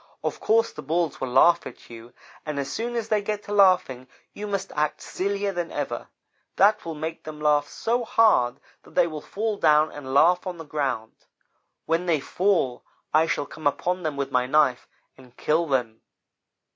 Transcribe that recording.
Of course the Bulls will laugh at you, and as soon as they get to laughing you must act sillier than ever. That will make them laugh so hard that they will fall down and laugh on the ground. When they fall, I shall come upon them with my knife and kill them.